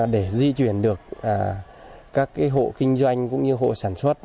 để di chuyển được các hộ kinh doanh cũng như hộ sản xuất